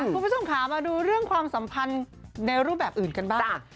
คุณผู้ชมค่ะมาดูเรื่องความสัมพันธ์ในรูปแบบอื่นกันบ้าง